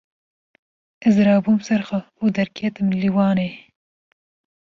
Ez rabûm ser xwe û derketim lîwanê.